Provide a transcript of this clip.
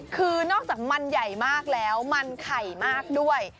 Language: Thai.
คือนอกจากมันใหญ่มากแล้วมันไข่มากด้วย